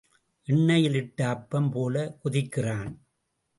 எண்ணெயில் இட்ட அப்பம் போலக் குதிக்கிறான்.